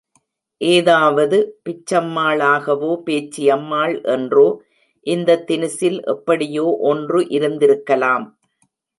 ஏதாவது பிச்சம்மாளாகவோ, பேச்சியம்மாள் என்றோ இந்த தினுசில் எப்படியோ ஒன்று இருந்திருக்கலாம்.